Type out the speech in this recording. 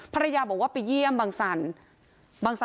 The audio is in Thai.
ภรรยาบอกว่าไปเยี่ยมบังสัน